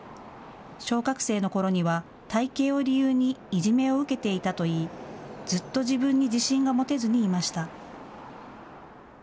小学生のころには体型を理由にいじめを受けていたといい、ずっと自分に自信が持てずにいました。